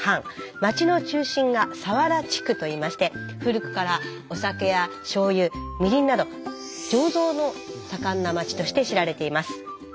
町の中心が佐原地区といいまして古くからお酒やしょうゆみりんなど醸造の盛んなまちとして知られています。